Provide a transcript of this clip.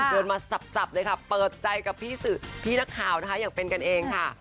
เดินมาสับเลยค่ะเปิดใจกับพี่นักข่าวนะคะอย่างเป็นกันเองค่ะ